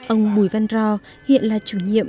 ông bùi văn ro hiện là chủ nhiệm